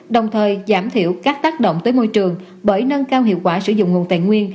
đồng thời giảm thiểu các tác động tới môi trường bởi nâng cao hiệu quả sử dụng nguồn tài nguyên